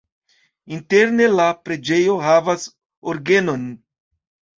Interne la preĝejo havas orgenon.